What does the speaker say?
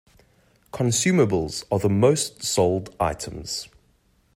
Consumables are the most sold items.